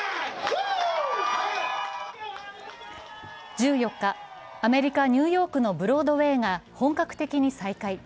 １４日、アメリカ・ニューヨークのブロードウェイが本格的に再開。